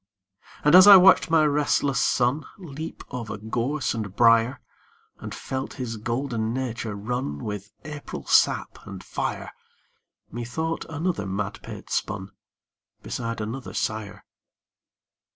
And as I watched my restless son Leap over gorse and briar, And felt his golden nature run With April sap and fire, Methought another madpate spun Beside another sire.